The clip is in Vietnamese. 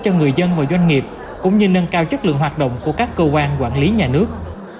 cho người dân và doanh nghiệp cũng như nâng cao chất lượng hoạt động của các cơ quan quản lý nhà nước